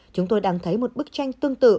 chúng tôi đang thấy một bức tranh tương tự